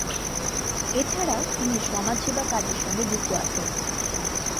এছাড়াও তিনি সমাজসেবা কাজের সঙ্গে যুক্ত আছেন।